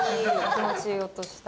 気持ちいい音した。